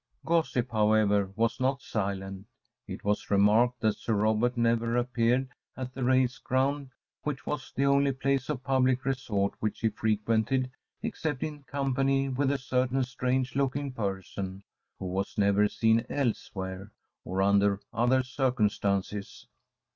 Gossip, however, was not silent; it was remarked that Sir Robert never appeared at the race ground, which was the only place of public resort which he frequented, except in company with a certain strange looking person, who was never seen elsewhere, or under other circumstances.